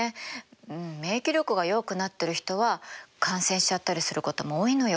うん免疫力が弱くなっている人は感染しちゃったりすることも多いのよ。